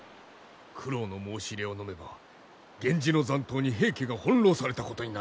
九郎の申し入れをのめば源氏の残党に平家が翻弄されたことになろう。